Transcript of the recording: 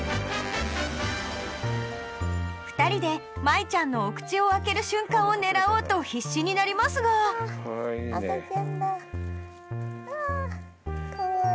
２人でまいちゃんのお口を開ける瞬間を狙おうと必死になりますがアアーかわいい。